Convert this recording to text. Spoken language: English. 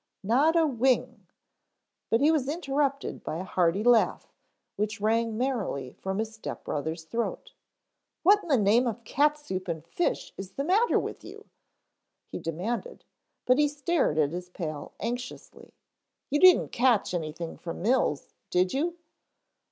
"Not a wing " But he was interrupted by a hearty laugh which rang merrily from his step brother's throat. "What in the name of cat soup and fish is the matter with you?" he demanded, but he stared at this pal anxiously. "You didn't catch anything from Mills, did you?"